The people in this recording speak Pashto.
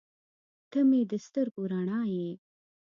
• ته مې د سترګو رڼا یې.